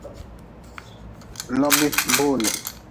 Logi boole.